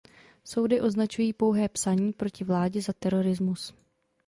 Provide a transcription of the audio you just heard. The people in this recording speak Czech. Soudy označují pouhé psaní proti vládě za terorismus.